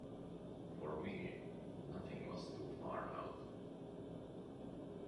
For me, nothing was too far out.